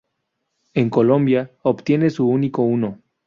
En Colombia obtiene su único uno.